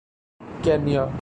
Kenya